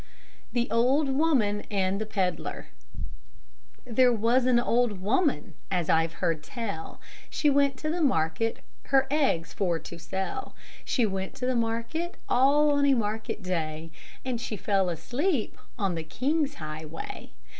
THE OLD WOMAN AND THE PEDLAR There was an old woman, as I've heard tell, She went to market her eggs for to sell; She went to market all on a market day, And she fell asleep on the King's highway.